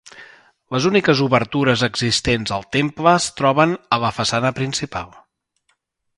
Les úniques obertures existents al temple es troben a la façana principal.